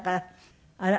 あら？